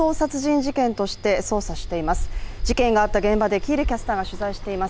事件があった現場で喜入キャスターが取材しています。